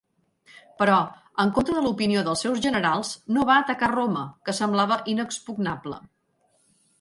Però, en contra de l'opinió dels seus generals, no va atacar Roma, que semblava inexpugnable.